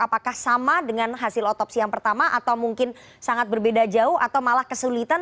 apakah sama dengan hasil otopsi yang pertama atau mungkin sangat berbeda jauh atau malah kesulitan